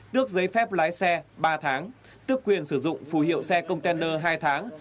tước giấy phép lái xe ba tháng tức quyền sử dụng phù hiệu xe container hai tháng